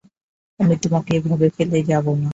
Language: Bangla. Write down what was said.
আমি তোমাকে এভাবে ফেলে যাবনা।